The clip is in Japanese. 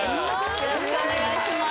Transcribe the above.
よろしくお願いします